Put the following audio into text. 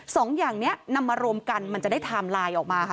สองอย่างนี้นำมารวมกันมันจะได้ไทม์ไลน์ออกมาค่ะ